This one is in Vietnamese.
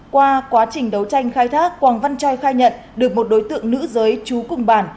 qua quá trình đấu tranh khai thác quảng văn trai khai nhận được một đối tượng nữ giới trú cùng bản